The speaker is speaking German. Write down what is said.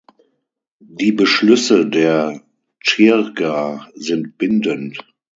Die Beschlüsse der Dschirga sind bindend.